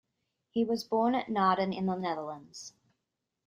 He was born at Naarden in the Netherlands.